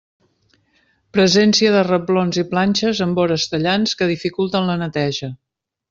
Presència de reblons i planxes amb vores tallants que dificulten la neteja.